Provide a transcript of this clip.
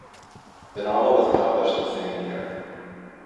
The novel was published the same year.